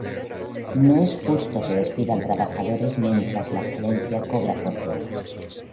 No es justo que despidan trabajadores mientras la gerencia cobra fortunas.